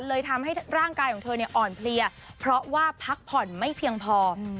เลยทำให้ร่างกายของเธอเนี่ยอ่อนเพลียเพราะว่าพักผ่อนไม่เพียงพอ